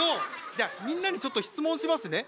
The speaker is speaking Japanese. じゃあみんなにちょっと質問しますね。